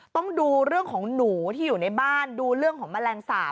ต้องดูเรื่องของหนูที่อยู่ในบ้านดูเรื่องของแมลงสาป